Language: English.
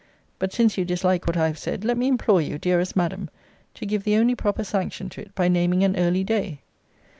But since you dislike what I have said, let me implore you, dearest Madam, to give the only proper sanction to it, by naming an early day.